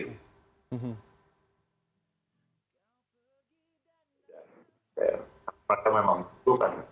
karena memang bukan